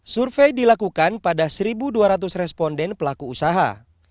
survei dilakukan pada satu dua ratus responden pelaku usaha